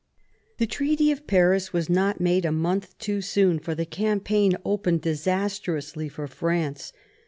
The Treaty of Paris was not made a month too soon, for the campaign opened disastrously for France.